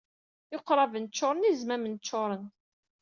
Iqraben ččuren, izmamen ččuren.